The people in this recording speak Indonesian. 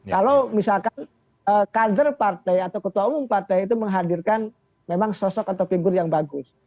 kalau misalkan kader partai atau ketua umum partai itu menghadirkan memang sosok atau figur yang bagus